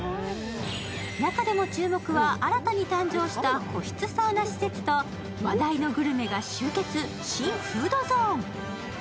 中でも注目は、新たに誕生した個室サウナ施設と話題のグルメが集結新フードゾーン。